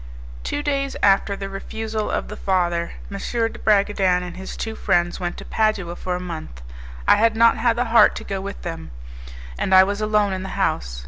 Two days after the refusal of the father, M. de Bragadin and his two friends went to Padua for a month. I had not had the heart to go with them, and I was alone in the house.